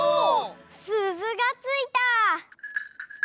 すずがついた！